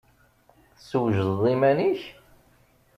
Teswejdeḍ iman-ik?